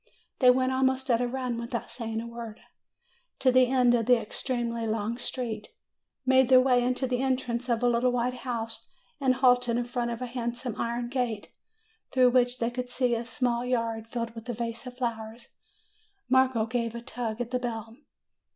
They went almost at a run, without saying a word, 264 MAY to the end of the extremely long street, made their way into the entrance of a little white house, and halted in front of a handsome iron gate, through which they could see a small yard, filled with vases of flowers. Marco gave a tug at the bell.